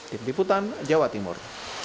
tim tiputan jawa timur